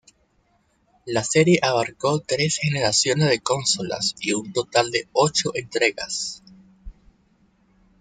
La serie abarcó tres generaciones de consolas y un total de ocho entregas.